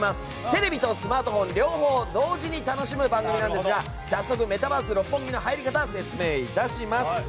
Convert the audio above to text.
テレビとスマートフォン両方同時に楽しむ番組なんですが早速、メタバース六本木の入り方説明致します。